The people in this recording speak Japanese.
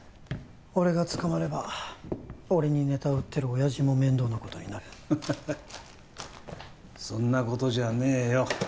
俺が捕まれば俺にネタを売ってる親爺も面倒なことになるそんなことじゃねえよ